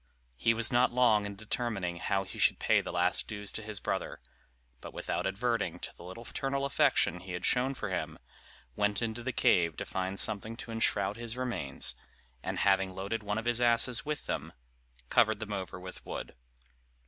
He was not long in determining how he should pay the last dues to his brother; but without adverting to the little fraternal affection he had shown for him, went into the cave to find something to enshroud his remains; and having loaded one of his asses with them, covered them over with wood.